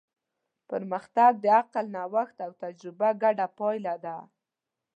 پرمختګ د عقل، نوښت او تجربه ګډه پایله ده.